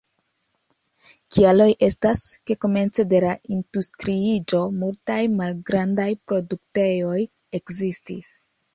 Kialoj estas, ke komence de la industriiĝo multaj malgrandaj produktejoj ekzistis.